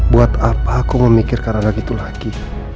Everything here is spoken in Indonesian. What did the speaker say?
buat apa aku memikirkan anak itu lagi